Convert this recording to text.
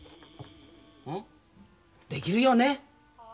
できるよね。